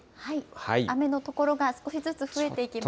雨の所が少しずつ増えていきますね。